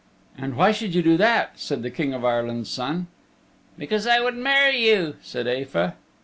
"And why should you do that?" said the King of Ireland's Son. "Because I would marry you," said Aefa.